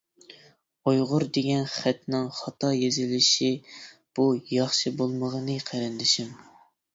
ئۇيغۇر دېگەن خەتنىڭ خاتا يېزىلىشى بۇ ياخشى بولمىغىنى قېرىندىشىم.